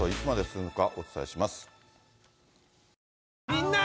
みんな！